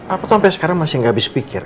aku tuh sampe sekarang masih gak habis pikir